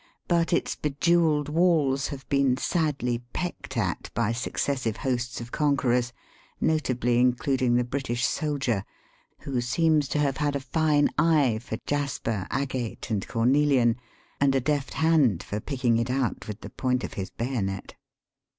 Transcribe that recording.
But its bejewelled walls have been sadly pecked at by successive hosts of conquerors, notably including the British soldier, who seems to have had a fine eye for jasper, agate, and oomehan, and a deft hand for picking it out with the point of his bayonet.